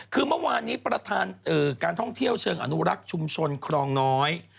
คือเมื่อวานนี้ประธานการท่องเที่ยวเชิงอนุรักษ์ชุมชนครองน้อย